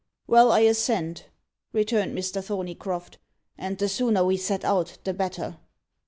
"Well, I assent," returned Mr. Thorneycroft; "and the sooner we set out the better."